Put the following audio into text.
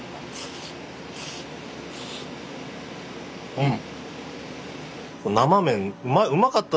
うん！